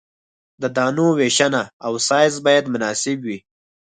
د دانو ویشنه او سایز باید مناسب وي